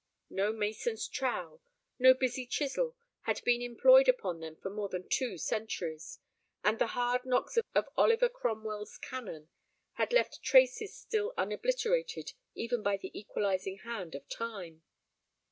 No mason's trowel, no busy chisel, had been employed upon them for more than two centuries, and the hard knocks of Oliver Cromwell's cannon had left traces still unobliterated even by the equalizing hand of time.